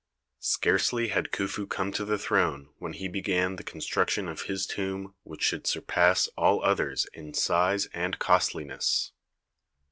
Scarcely had Khufu come to the throne when he began the construction of his tomb which should surpass all others in size and costliness.